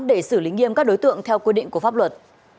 để xử lý nghiêm các đối tượng theo quy định của pháp luật